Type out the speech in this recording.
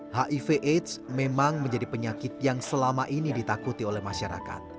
hiv aids memang menjadi penyakit yang selama ini ditakuti oleh masyarakat